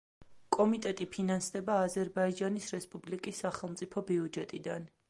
კომიტეტი ფინანსდება აზერბაიჯანის რესპუბლიკის სახელმწიფო ბიუჯეტიდან.